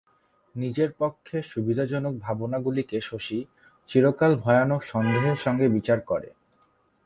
নিজের পক্ষে সুবিধাজনক ভাবনাগুলিকে শশী চিরকাল ভয়ানক সন্দেহের সঙ্গে বিচার করে।